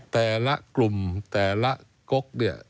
แต่ละกลุ่มแต่ละก๊ก